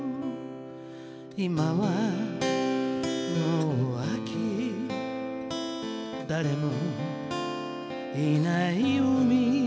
「今はもう秋誰もいない海」